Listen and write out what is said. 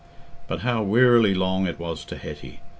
But how wearily long it was to Hetty!